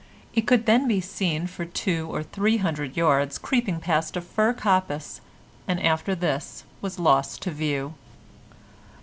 It could then be seen for two or three hundred yards creeping past a fir coppice, and after this was lost to view.